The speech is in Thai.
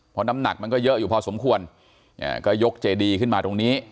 เพราะน้ำหนักมันก็เยอะอยู่พอสมควรก็ยกเจดีขึ้นมาตรงนี้